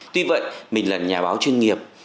tuy vậy mình là nhà báo chuyên nghiệp